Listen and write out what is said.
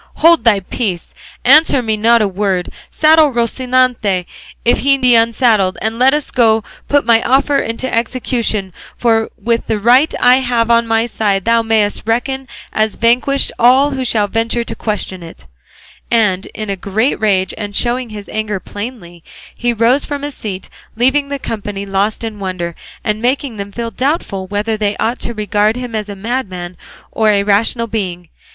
Hold thy peace; answer me not a word; saddle Rocinante if he be unsaddled; and let us go to put my offer into execution; for with the right that I have on my side thou mayest reckon as vanquished all who shall venture to question it;" and in a great rage, and showing his anger plainly, he rose from his seat, leaving the company lost in wonder, and making them feel doubtful whether they ought to regard him as a madman or a rational being.